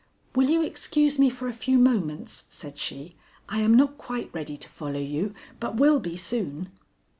"Will you excuse me for a few moments?" said she. "I am not quite ready to follow you, but will be soon."